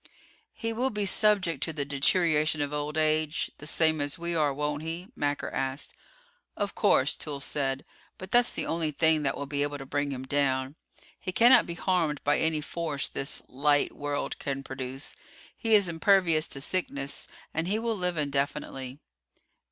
"He will be subject to the deterioration of old age, the same as we are, won't he?" Macker asked. "Of course," Toolls said, "but that's the only thing that will be able to bring him down. He cannot be harmed by any force this 'light' world can produce; he is impervious to sickness; and he will live indefinitely."